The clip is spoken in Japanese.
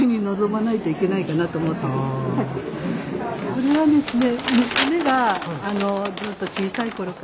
これはですね